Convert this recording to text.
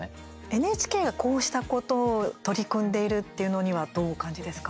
ＮＨＫがこうしたことを取り組んでいるっていうのにはどうお感じですか？